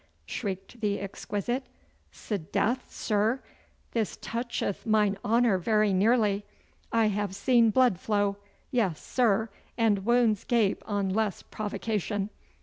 shrieked the exquisite. 'S'death, sir! This toucheth mine honour very nearly! I have seen blood flow, yes, sir, and wounds gape on less provocation.